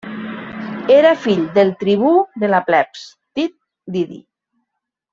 Era fill del tribú de la plebs Tit Didi.